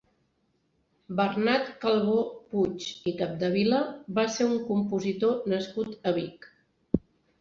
Bernat Calvó Puig i Capdevila va ser un compositor nascut a Vic.